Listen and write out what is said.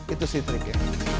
itu sih triknya